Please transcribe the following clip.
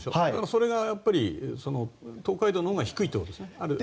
それが、東海道のほうが低いということですかね。